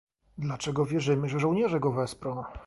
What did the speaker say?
Dlaczego wierzymy, że żołnierze go wesprą?